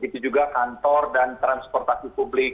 begitu juga kantor dan transportasi publik